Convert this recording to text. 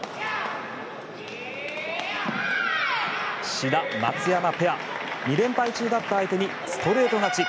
志田、松山ペア２連敗中だった相手にストレート勝ち。